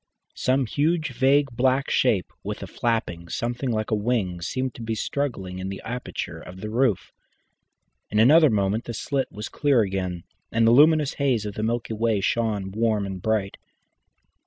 Some huge vague black shape, with a flapping something like a wing, seemed to be struggling in the aperture of the roof. In another moment the slit was clear again, and the luminous haze of the Milky Way shone warm and bright.